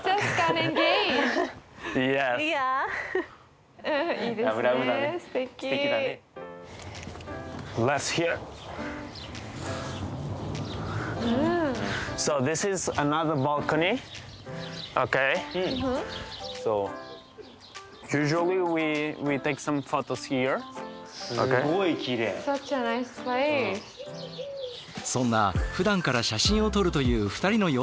そんなふだんから写真を撮るという２人の様子を見せてもらおう。